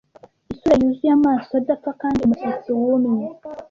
Isura yuzuye amaso adapfa kandi umusatsi wumye,